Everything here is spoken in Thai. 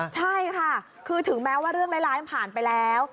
ใช่ค่ะคือถึงแม้ว่าเรื่องร้ายมันผ่านไปแล้ว